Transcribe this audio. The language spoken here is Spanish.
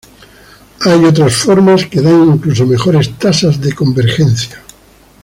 Hay otras formas que dan incluso mejores tasas de convergencia.